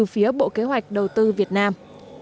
bí ấp bộ kế hoạch đầu tư việt nam